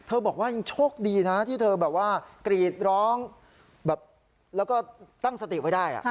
บอกว่ายังโชคดีนะที่เธอแบบว่ากรีดร้องแบบแล้วก็ตั้งสติไว้ได้